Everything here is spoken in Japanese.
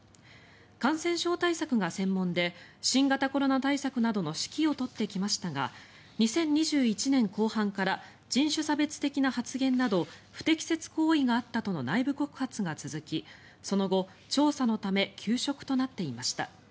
感染症対策が専門で新型コロナ対策などの指揮を執ってきましたが２０２１年後半から人種差別的な発言など不適切行為があったとの内部告発が続きその後、調査のため休職となっていました。